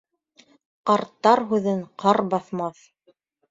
Ҡарттар һүҙен ҡар баҫмаҫ.